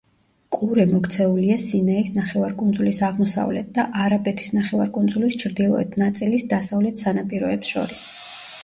ყურე მოქცეულია სინაის ნახევარკუნძულის აღმოსავლეთ და არაბეთის ნახევარკუნძულის ჩრდილოეთ ნაწილის დასავლეთ სანაპიროებს შორის.